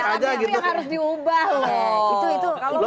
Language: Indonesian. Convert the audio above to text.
tapi yang harus diubah loh